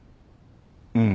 うん。